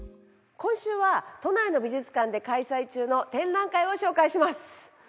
今週は都内の美術館で開催中の展覧会を紹介します。